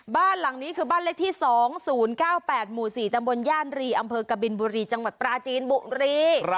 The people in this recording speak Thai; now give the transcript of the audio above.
บ้านหลังนี้คือบ้านเลขที่๒๐๙๘หมู่๔ตำบลย่านรีอำเภอกบินบุรีจังหวัดปราจีนบุรี